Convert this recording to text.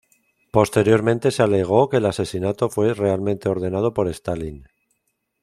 Posteriormente se alegó que el asesinato fue realmente ordenado por Stalin.